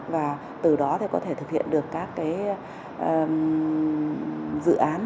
và từ đó có thể thực hiện được các dự án